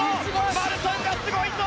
マルシャンがすごいぞ！